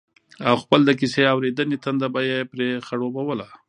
او خپل د کيسې اورېدنې تنده به يې پرې خړوبوله